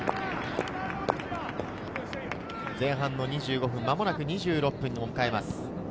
前半２５分、間もなく２６分を迎えます。